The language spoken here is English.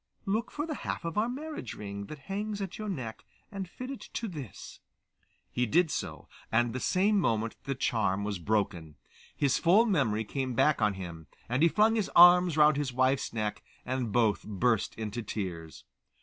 'Look for the half of our marriage ring, that hangs at your neck, and fit it to this.' He did so, and the same moment the charm was broken. His full memory came back on him, and he flung his arms round his wife's neck, and both burst into tears.